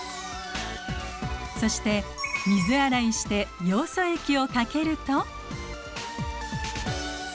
そして水洗いしてヨウ素液をかけると。